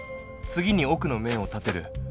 次に奥の面を立てる。